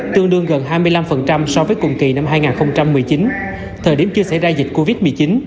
tương đương gần hai mươi năm so với cùng kỳ năm hai nghìn một mươi chín thời điểm chưa xảy ra dịch covid một mươi chín